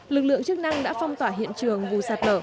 lực lượng chức năng đã phong tỏa hiện trường vụ sạt lở